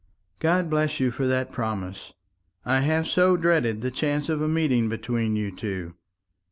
"God bless you for that promise! I have so dreaded the chance of a meeting between you two.